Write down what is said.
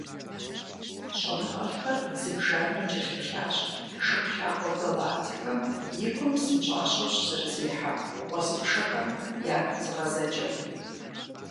ЩIэныгъэлIхэр зыбжанэрэ кIэлъыплъащ Шыхулъагъуэ галактикэм и кум псынщIащэу щызэрызехьэ гъуэзыпшэхэм я зыгъэзэкIэм.